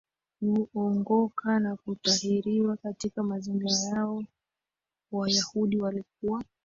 kuongoka na kutahiriwa Katika mazingira yao Wayahudi walikuwa